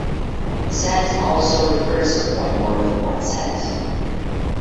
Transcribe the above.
"Cent" also refers to a coin worth one cent.